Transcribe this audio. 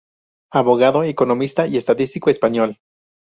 Abogado, economista y estadístico español.